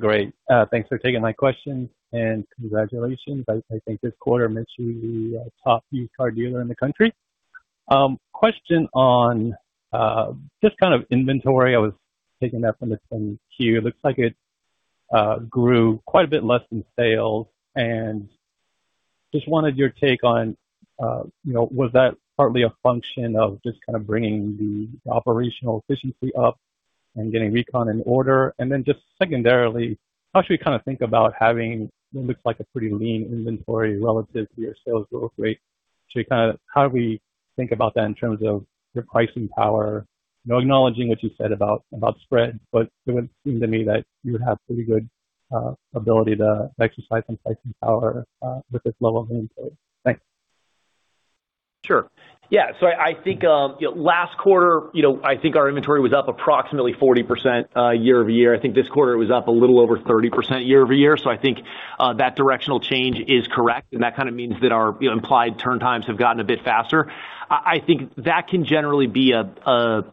Great. Thanks for taking my question and congratulations. I think this quarter makes you the top used car dealer in the country. Question on, just kind of inventory. I was taking that from the Q. Looks like it grew quite a bit less than sales. Just wanted your take on, you know, was that partly a function of just kind of bringing the operational efficiency up and getting recon in order? Then just secondarily, how should we kind of think about having what looks like a pretty lean inventory relative to your sales growth rate? How do we think about that in terms of your pricing power? You know, acknowledging what you said about spread, it would seem to me that you would have pretty good ability to exercise some pricing power with this level of inventory. Thanks. Sure. Yeah. I think, you know, last quarter, you know, I think our inventory was up approximately 40% year-over-year. I think this quarter it was up a little over 30% year-over-year. I think that directional change is correct, and that kinda means that our, you know, implied turn times have gotten a bit faster. I think that can generally be a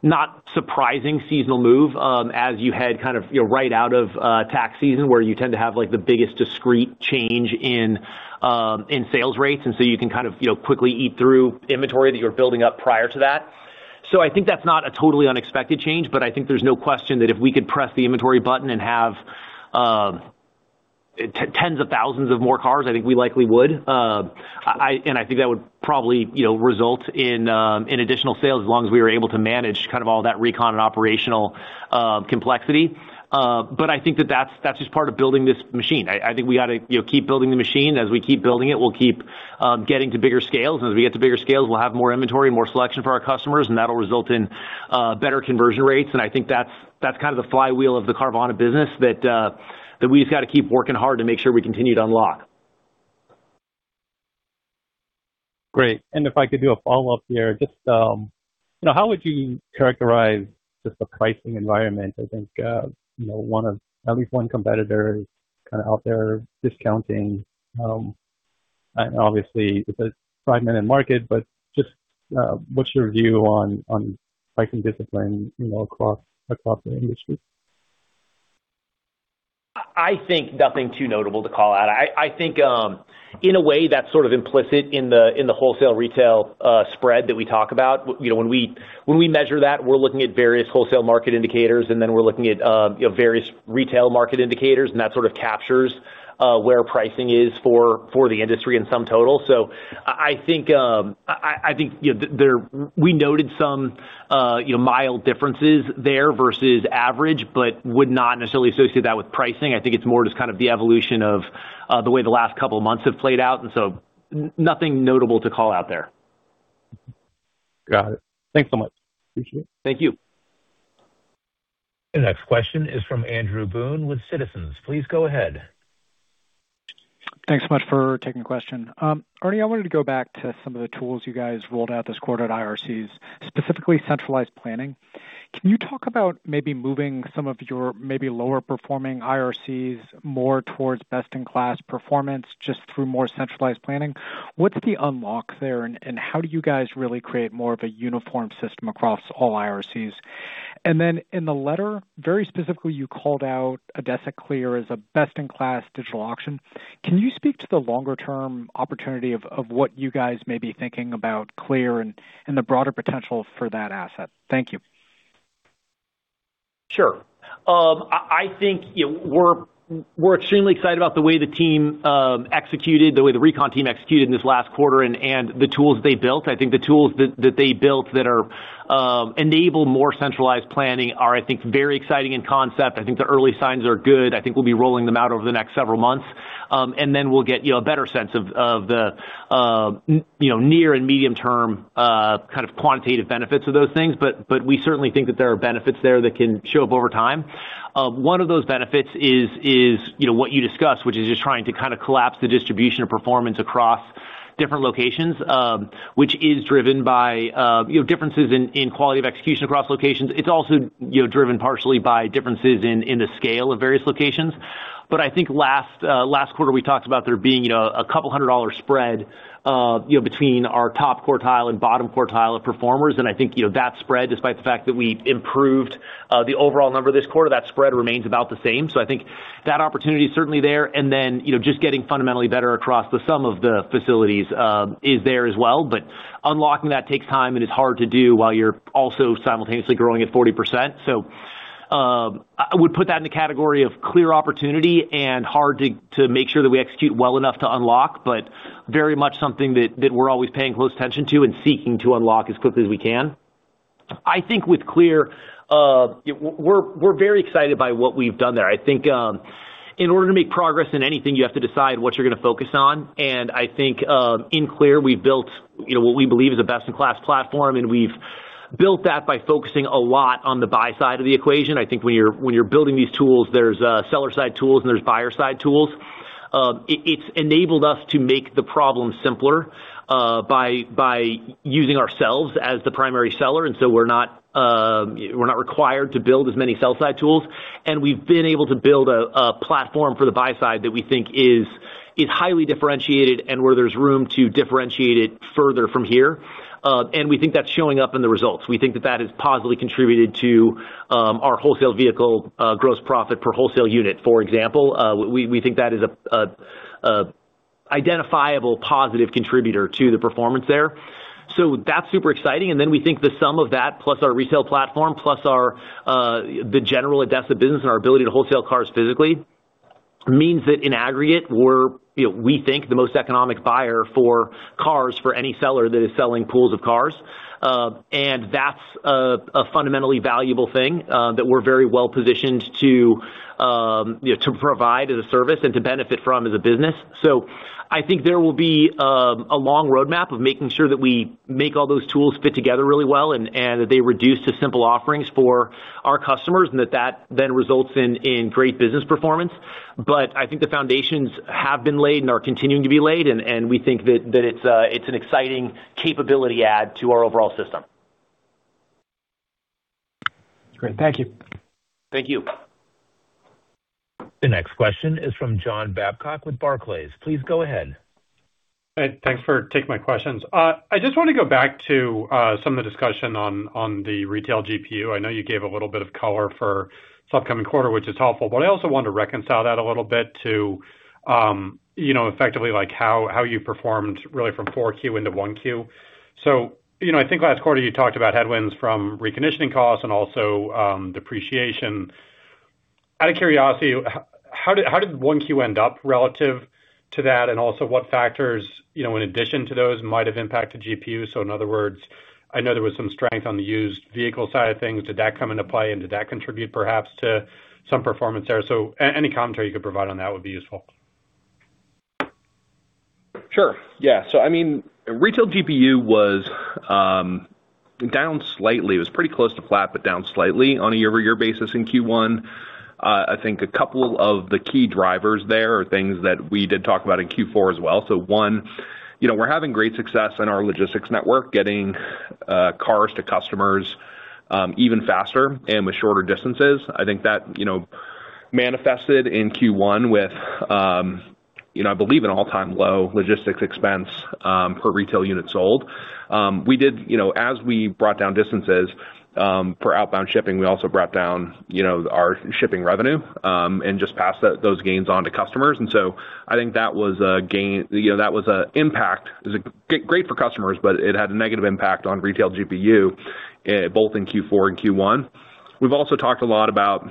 not surprising seasonal move, as you head kind of, you know, right out of tax season, where you tend to have, like, the biggest discrete change in sales rates. You can kind of, you know, quickly eat through inventory that you were building up prior to that. I think that's not a totally unexpected change, but I think there's no question that if we could press the inventory button and have tens of thousands of more cars, I think we likely would. I think that would probably, you know, result in additional sales as long as we were able to manage kind of all that recon and operational complexity. I think that that's just part of building this machine. I think we gotta, you know, keep building the machine. As we keep building it, we'll keep getting to bigger scales. As we get to bigger scales, we'll have more inventory, more selection for our customers, and that'll result in better conversion rates. I think that's kind of the flywheel of the Carvana business that we've got to keep working hard to make sure we continue to unlock. Great. If I could do a follow-up here, just. Now, how would you characterize just the pricing environment? I think, you know, at least one competitor is kinda out there discounting. Obviously it's a fragmented market, but just, what's your view on pricing discipline, you know, across the industry? I think nothing too notable to call out. I think in a way that's sort of implicit in the wholesale retail spread that we talk about. You know, when we measure that, we're looking at various wholesale market indicators, and then we're looking at, you know, various retail market indicators, and that sort of captures where pricing is for the industry in sum total. I think, you know, we noted some, you know, mild differences there versus average, would not necessarily associate that with pricing. I think it's more just kind of the evolution of the way the last couple of months have played out, nothing notable to call out there. Got it. Thanks so much. Appreciate it. Thank you. The next question is from Andrew Boone with Citizens. Please go ahead. Thanks so much for taking the question. Ernie, I wanted to go back to some of the tools you guys rolled out this quarter at IRCs, specifically centralized planning. Can you talk about maybe moving some of your lower performing IRCs more towards best in class performance just through more centralized planning? What's the unlock there and how do you guys really create more of a uniform system across all IRCs? Then in the letter, very specifically, you called out ADESA Clear as a best in class digital auction. Can you speak to the longer term opportunity of what you guys may be thinking about Clear and the broader potential for that asset? Thank you. Sure. I think, you know, we're extremely excited about the way the team executed, the way the recon team executed in this last quarter and the tools they built. I think the tools that they built that enable more centralized planning are, I think, very exciting in concept. I think the early signs are good. I think we'll be rolling them out over the next several months. We'll get, you know, a better sense of the, you know, near and medium-term kind of quantitative benefits of those things. We certainly think that there are benefits there that can show up over time. One of those benefits is, you know, what you discussed, which is just trying to kinda collapse the distribution of performance across different locations, which is driven by, you know, differences in quality of execution across locations. It's also, you know, driven partially by differences in the scale of various locations. I think last quarter, we talked about there being, you know, a $200 spread, you know, between our top quartile and bottom quartile of performers. I think, you know, that spread, despite the fact that we improved the overall number this quarter, that spread remains about the same. I think that opportunity is certainly there. Then, you know, just getting fundamentally better across the sum of the facilities, is there as well. Unlocking that takes time and is hard to do while you're also simultaneously growing at 40%. I would put that in the category of clear opportunity and hard to make sure that we execute well enough to unlock, but very much something that we're always paying close attention to and seeking to unlock as quickly as we can. I think with CLEAR, we're very excited by what we've done there. I think, in order to make progress in anything, you have to decide what you're gonna focus on. I think, in CLEAR, we've built, you know, what we believe is a best in class platform, and we've built that by focusing a lot on the buy side of the equation. I think when you're building these tools, there's seller side tools and there's buyer side tools. It's enabled us to make the problem simpler by using ourselves as the primary seller, we're not required to build as many sell side tools. We've been able to build a platform for the buy side that we think is highly differentiated and where there's room to differentiate it further from here. We think that's showing up in the results. We think that has positively contributed to our wholesale vehicle gross profit per wholesale unit, for example. We think that is a identifiable positive contributor to the performance there. That's super exciting. We think the sum of that plus our retail platform, plus our the general ADESA business and our ability to wholesale cars physically means that in aggregate, we think the most economic buyer for cars for any seller that is selling pools of cars. That's a fundamentally valuable thing that we're very well-positioned to provide as a service and to benefit from as a business. I think there will be a long roadmap of making sure that we make all those tools fit together really well and that they reduce to simple offerings for our customers, and that then results in great business performance. I think the foundations have been laid and are continuing to be laid, and we think that it's an exciting capability add to our overall system. Great. Thank you. Thank you. The next question is from John Babcock with Barclays. Please go ahead. Hey, thanks for taking my questions. I just want to go back to some of the discussion on the retail GPU. I know you gave a little bit of color for this upcoming quarter, which is helpful, but I also want to reconcile that a little bit to, you know, effectively like how you performed really from 4Q into 1Q. You know, I think last quarter you talked about headwinds from reconditioning costs and also depreciation. Out of curiosity, how did 1Q end up relative to that? What factors, you know, in addition to those might have impacted GPU? In other words, I know there was some strength on the used vehicle side of things. Did that come into play and did that contribute perhaps to some performance there? Any commentary you could provide on that would be useful. Sure. Yeah. I mean, retail GPU was down slightly. It was pretty close to flat, but down slightly on a year-over-year basis in Q1. I think a couple of the key drivers there are things that we did talk about in Q4 as well. One, you know, we're having great success in our logistics network, getting cars to customers, even faster and with shorter distances. I think that, you know, manifested in Q1 with, you know, I believe an all-time low logistics expense per retail unit sold. We did, you know, as we brought down distances, for outbound shipping, we also brought down, you know, our shipping revenue, and just passed those gains on to customers. I think that was an impact. It is great for customers, but it had a negative impact on retail GPU, both in Q4 and Q1. We've also talked a lot about,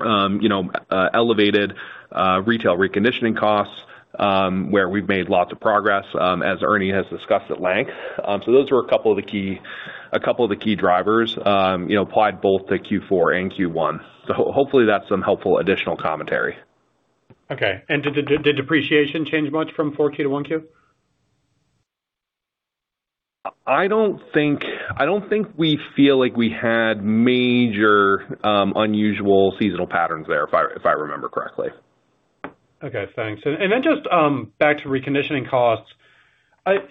you know, elevated, retail reconditioning costs, where we've made lots of progress, as Ernie has discussed at length. Those were a couple of the key, a couple of the key drivers, you know, applied both to Q4 and Q1. Hopefully, that's some helpful additional commentary. Okay. Did the depreciation change much from four Q to one Q? I don't think we feel like we had major unusual seasonal patterns there, if I remember correctly. Okay, thanks. Just back to reconditioning costs.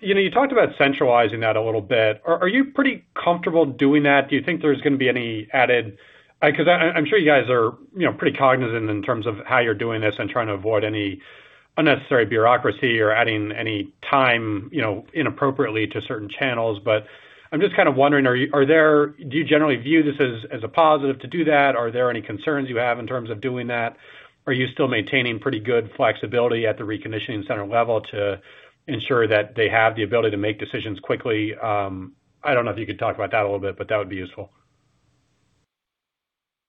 You know, you talked about centralizing that a little bit. Are you pretty comfortable doing that? Do you think there's gonna be any added 'cause I'm sure you guys are, you know, pretty cognizant in terms of how you're doing this and trying to avoid any unnecessary bureaucracy or adding any time, you know, inappropriately to certain channels. I'm just kind of wondering, do you generally view this as a positive to do that? Are there any concerns you have in terms of doing that? Are you still maintaining pretty good flexibility at the reconditioning center level to ensure that they have the ability to make decisions quickly? I don't know if you could talk about that a little bit, that would be useful.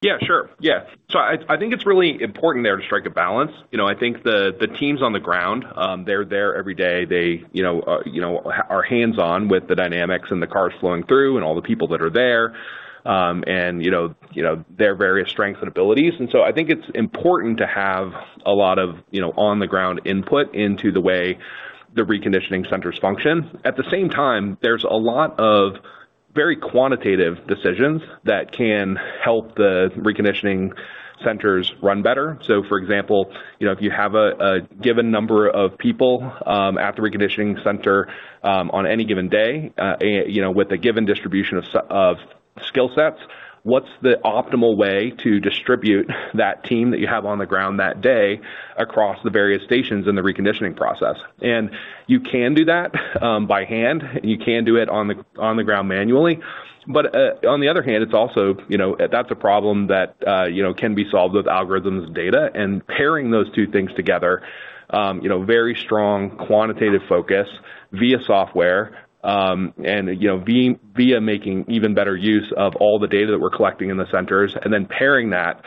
I think it's really important there to strike a balance. You know, I think the teams on the ground, they're there every day. They, you know, are hands-on with the dynamics and the cars flowing through and all the people that are there, and, you know, their various strengths and abilities. I think it's important to have a lot of, you know, on the ground input into the way the reconditioning centers function. At the same time, there's a lot of very quantitative decisions that can help the reconditioning centers run better. For example, you know, if you have a given number of people at the reconditioning center on any given day, you know, with a given distribution of skill sets, what's the optimal way to distribute that team that you have on the ground that day across the various stations in the reconditioning process? You can do that by hand, you can do it on the ground manually. On the other hand, it's also, you know, that's a problem that, you know, can be solved with algorithms and data. Pairing those two things together, you know, very strong quantitative focus via software, and, you know, via making even better use of all the data that we're collecting in the centers, and then pairing that,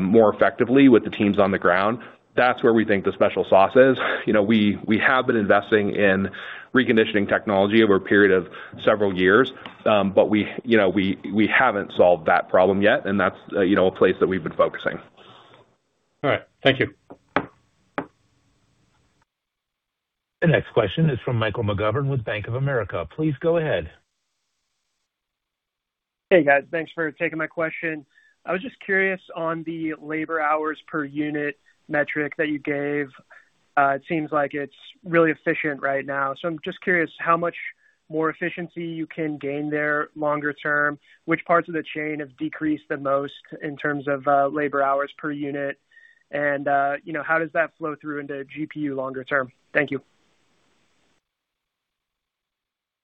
more effectively with the teams on the ground, that's where we think the special sauce is. You know, we have been investing in reconditioning technology over a period of several years, but we, you know, we haven't solved that problem yet, and that's, you know, a place that we've been focusing. All right. Thank you. The next question is from Michael McGovern with Bank of America. Please go ahead. Hey, guys. Thanks for taking my question. I was just curious on the labor hours per unit metric that you gave. It seems like it's really efficient right now. I'm just curious how much more efficiency you can gain there longer term, which parts of the chain have decreased the most in terms of labor hours per unit, and, you know, how does that flow through into GPU longer term? Thank you.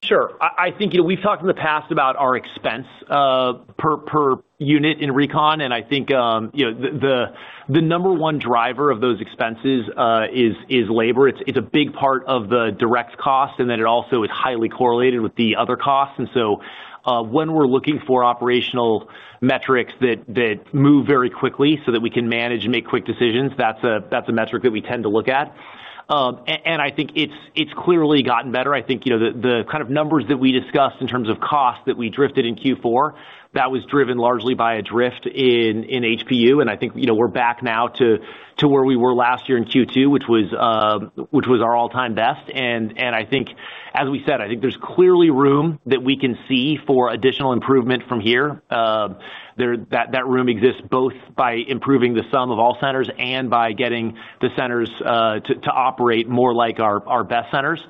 Sure. I think, you know, we've talked in the past about our expense per unit in recon, and I think, you know, the number 1 driver of those expenses is labor. It's a big part of the direct cost, and then it also is highly correlated with the other costs. When we're looking for operational metrics that move very quickly so that we can manage and make quick decisions, that's a metric that we tend to look at. I think it's clearly gotten better. I think, you know, the kind of numbers that we discussed in terms of costs that we drifted in Q4, that was driven largely by a drift in HPU. I think, you know, we're back now to where we were last year in Q2, which was our all-time best. I think, as we said, I think there's clearly room that we can see for additional improvement from here. That room exists both by improving the sum of all centers and by getting the centers to operate more like our best centers.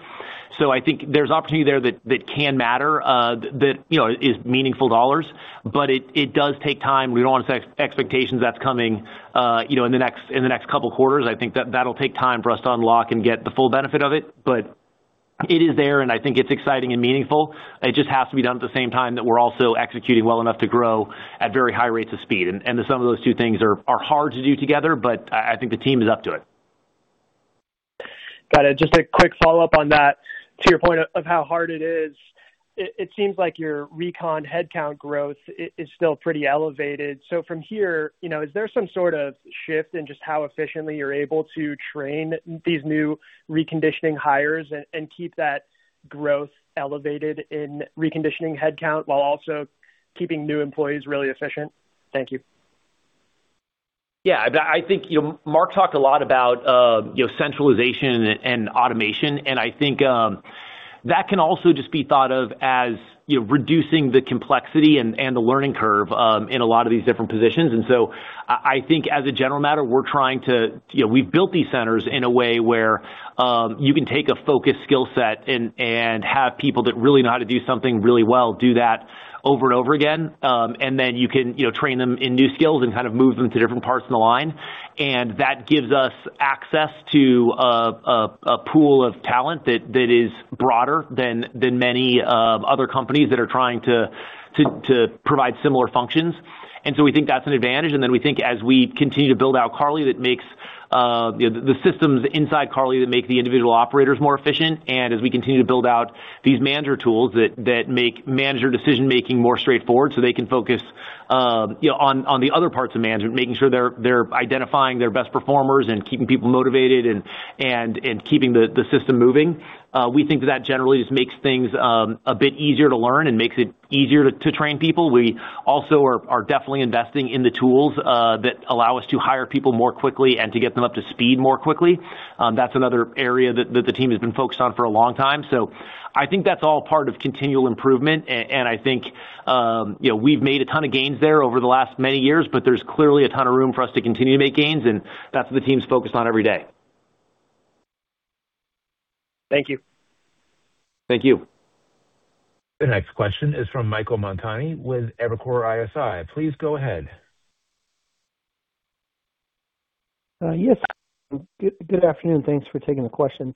I think there's opportunity there that can matter, that, you know, is meaningful dollars. It does take time. We don't want to set expectations that's coming, you know, in the next couple of quarters. I think that that'll take time for us to unlock and get the full benefit of it. It is there, and I think it's exciting and meaningful. It just has to be done at the same time that we're also executing well enough to grow at very high rates of speed. The sum of those two things are hard to do together, but I think the team is up to it. Got it. Just a quick follow-up on that. To your point of how hard it is, it seems like your recon headcount growth is still pretty elevated. From here, you know, is there some sort of shift in just how efficiently you're able to train these new reconditioning hires and keep that growth elevated in reconditioning headcount while also keeping new employees really efficient? Thank you. Yeah. I think, you know, Mark Jenkins talked a lot about, you know, centralization and automation. I think that can also just be thought of as, you know, reducing the complexity and the learning curve in a lot of these different positions. I think as a general matter, you know, we've built these centers in a way where you can take a focused skill set and have people that really know how to do something really well, do that over and over again. You can, you know, train them in new skills and kind of move them to different parts in the line. That gives us access to a pool of talent that is broader than many other companies that are trying to provide similar functions. We think that's an advantage. We think as we continue to build out CARLI, that makes, you know, the systems inside CARLI that make the individual operators more efficient, and as we continue to build out these manager tools that make manager decision-making more straightforward so they can focus, you know, on the other parts of management, making sure they're identifying their best performers and keeping people motivated and keeping the system moving. We think that generally just makes things a bit easier to learn and makes it easier to train people. We also are definitely investing in the tools that allow us to hire people more quickly and to get them up to speed more quickly. That's another area that the team has been focused on for a long time. I think that's all part of continual improvement. And I think, you know, we've made a ton of gains there over the last many years, but there's clearly a ton of room for us to continue to make gains, and that's what the team's focused on every day. Thank you. Thank you. The next question is from Michael Montani with Evercore ISI. Please go ahead. Yes. Good afternoon. Thanks for taking the question.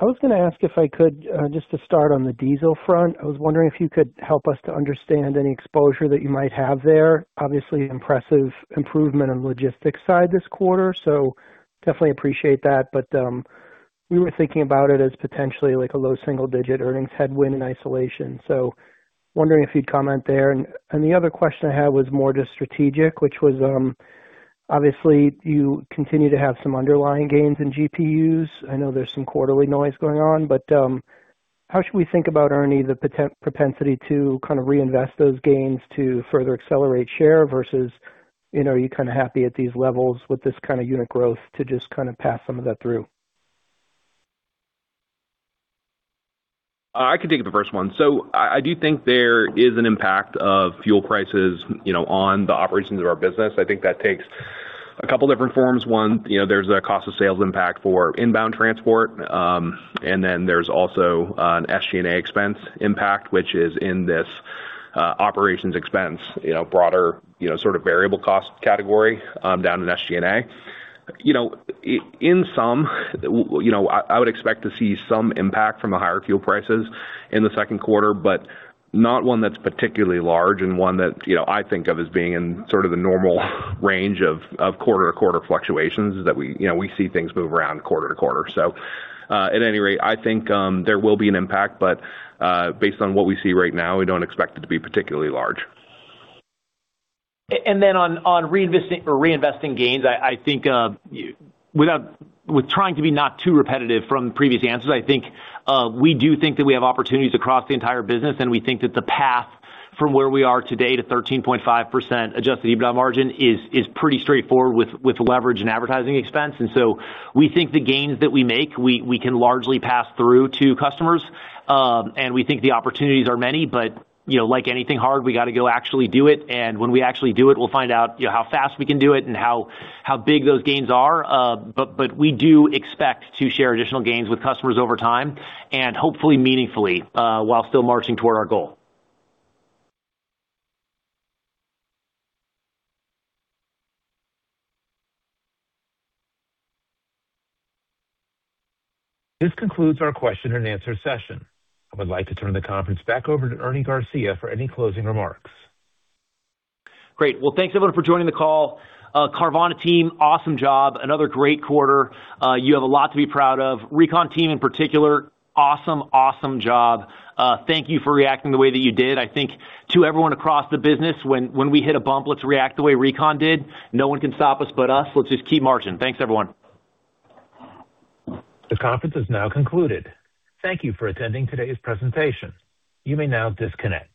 I was gonna ask if I could just to start on the diesel front. I was wondering if you could help us to understand any exposure that you might have there. Obviously, impressive improvement on the logistics side this quarter, so definitely appreciate that. We were thinking about it as potentially like a low single-digit earnings headwind in isolation. I was wondering if you'd comment there. The other question I had was more just strategic, which was, obviously, you continue to have some underlying gains in GPUs. I know there's some quarterly noise going on, but how should we think about, Ernie, the propensity to kind of reinvest those gains to further accelerate share versus, you know, are you kinda happy at these levels with this kind of unit growth to just kind of pass some of that through? I can take the first one. I do think there is an impact of fuel prices, you know, on the operations of our business. I think that takes a couple different forms. One, you know, there's a cost of sales impact for inbound transport. There's also an SG&A expense impact, which is in this operations expense, you know, broader, you know, sort of variable cost category, down in SG&A. You know, in some, you know, I would expect to see some impact from the higher fuel prices in the second quarter, but not one that's particularly large and one that, you know, I think of as being in sort of the normal range of quarter-over-quarter fluctuations. We, you know, we see things move around quarter-over-quarter. At any rate, I think, there will be an impact, but, based on what we see right now, we don't expect it to be particularly large. On reinvesting gains, I think, With trying to be not too repetitive from previous answers, I think, we do think that we have opportunities across the entire business, and we think that the path from where we are today to 13.5% adjusted EBITDA margin is pretty straightforward with leverage and advertising expense. We think the gains that we make, we can largely pass through to customers. We think the opportunities are many, but, you know, like anything hard, we gotta go actually do it. When we actually do it, we'll find out, you know, how fast we can do it and how big those gains are. We do expect to share additional gains with customers over time, and hopefully meaningfully, while still marching toward our goal. This concludes our question and answer session. I would like to turn the conference back over to Ernie Garcia for any closing remarks. Great. Well, thanks everyone for joining the call. Carvana team, awesome job. Another great quarter. You have a lot to be proud of. Recon team in particular, awesome job. Thank you for reacting the way that you did. I think to everyone across the business, when we hit a bump, let's react the way Recon did. No one can stop us but us. Let's just keep marching. Thanks, everyone. The conference is now concluded. Thank you for attending today's presentation. You may now disconnect.